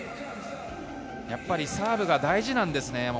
やっぱりサーブが大事なんですね。